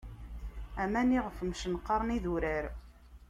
Aman iɣef mcenqaṛen idurar.